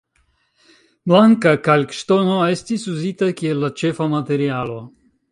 Blanka kalkŝtono estis uzita kiel la ĉefa materialo.